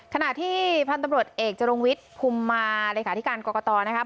ขณะที่พันธุ์ตมรเอกจรุงวิทย์พุไมร้าไหลกาธิการนะครับ